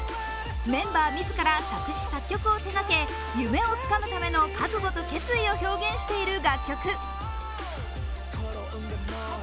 メンバー自ら作詞作曲を手掛け、夢をつかむための覚悟と決意を表現している楽曲。